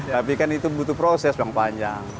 tapi kan itu butuh proses yang panjang